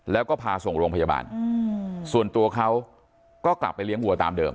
แล้วก็พาส่งโรงพยาบาลส่วนตัวเขาก็กลับไปเลี้ยงวัวตามเดิ